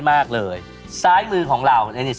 ให้เขาทำอะไรติด